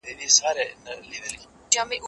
اوبه د زهشوم له خوا پاکې کيږي،